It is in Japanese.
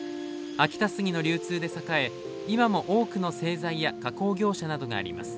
秋田杉の流通で栄え今も多くの製材や加工業者などがあります。